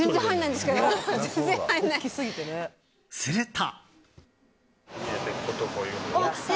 すると。